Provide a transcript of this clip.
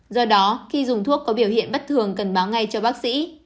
do đó khi dùng thuốc có biểu hiện bất thường cần báo ngay cho bác sĩ